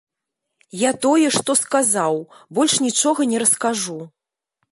Я тое што сказаў, больш нічога не раскажу.